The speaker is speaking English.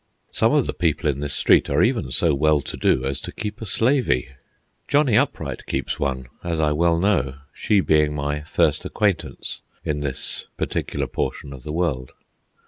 Some of the people in this street are even so well to do as to keep a "slavey." Johnny Upright keeps one, as I well know, she being my first acquaintance in this particular portion of the world.